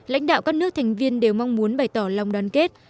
lãnh đạo các nước thành viên đều mong muốn bày tỏ lòng đoàn kết